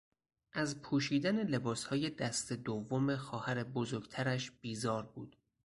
از پوشیدن لباسهای دست دوم خواهر بزرگترش بیزار بود.